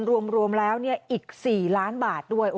รวมแล้วอีก๔ล้านบาทด้วย